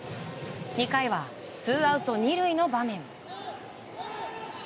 ２回はツーアウト２塁の場面。